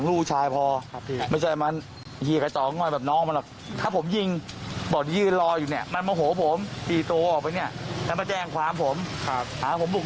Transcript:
เริ่มยุ่งกันเป็นอะไรไหมไม่ต้องไปกันแล้ว